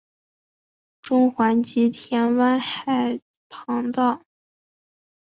中环及田湾海旁道。